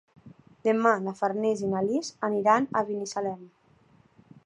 Demà na Farners i na Lis aniran a Binissalem.